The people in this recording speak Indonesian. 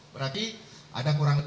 berarti ada kurang lebih tujuh ratus